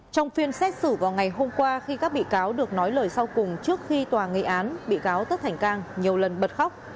trong phiên xét xử vào ngày hôm qua khi các bị cáo được nói lời sau cùng trước khi tòa nghị án bị cáo tất thành cang nhiều lần bật khóc